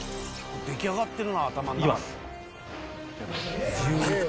「出来上がってるな頭の中で」